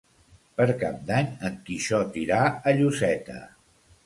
Per Cap d'Any en Quixot irà a Lloseta.